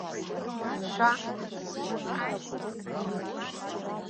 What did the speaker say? Шәа ҳшәыццоит ҳара.